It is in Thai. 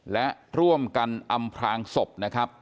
และร่วมกันอำพลางศพนะครับ